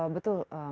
betul mbak desi